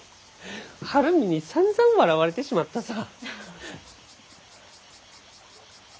晴海にさんざん笑われてしまったさ−。